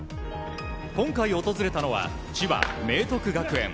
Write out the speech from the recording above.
今回訪れたのは千葉明徳学園。